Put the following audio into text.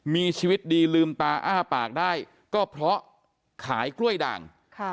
มีชีวิตดีลืมตาอ้าปากได้ก็เพราะขายกล้วยด่าง